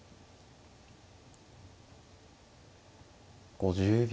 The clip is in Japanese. ５０秒。